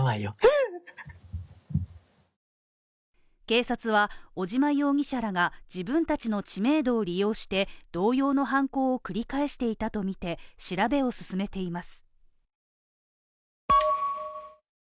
警察は尾島容疑者らが自分たちの知名度を利用して、同様の犯行を繰り返していたとみて調べを進めています。